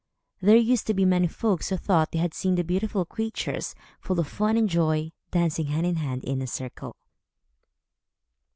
There used to be many folks, who thought they had seen the beautiful creatures, full of fun and joy, dancing hand in hand, in a circle.